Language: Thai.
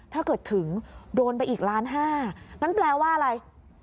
ถ้าเกิดถึงโดนไปอีกล้านห้างั้นแปลว่าอะไร